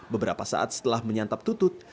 beberapa saat setelah menyantap tutut